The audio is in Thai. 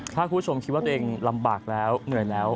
ถ้าคุณผู้ชมคิดว่าตัวเองลำบากแล้วเหนื่อยแล้ว